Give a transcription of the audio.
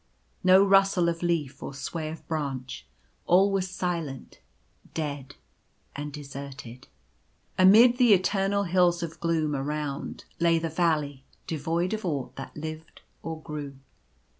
No rustle of leaf or sway of branch — all was silent, dead, and deserted. Amid the eternal hills of gloom around, lay the valley devoid of aught that lived or grew.